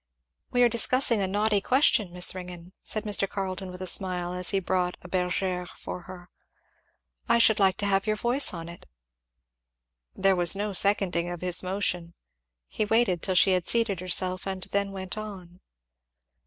"We are discussing a knotty question, Miss Ringgan," said Mr. Carleton with a smile, as he brought a bergère for her; "I should like to have your voice on it." There was no seconding of his motion. He waited till she had seated herself and then went on.